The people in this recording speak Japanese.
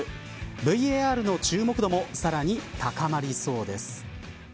ＶＡＲの注目度もさらに高まりそうです。